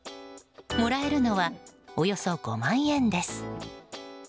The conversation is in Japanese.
もらえるのはおよそ５万円です。